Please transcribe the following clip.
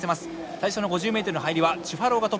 最初の５０ｍの入りはチュファロウがトップ。